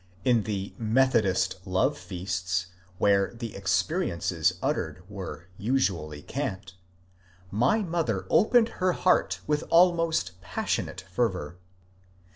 In the Methodist " Love Feasts," where the " experiences " uttered were usually cant, my mother opened her heart with almost passionate fervour.